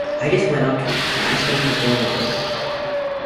I just went up to him and asked him to form a band.